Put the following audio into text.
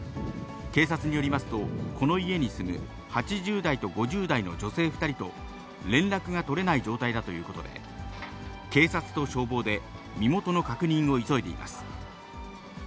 警察によりますと、この家に住む８０代と５０代の女性２人と連絡が取れない状態だということで、警察と消防で身元の確認を急いでいます。